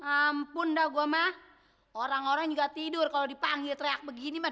ampun dah gua mah orang orang juga tidur kalo dipanggil teriak begini mah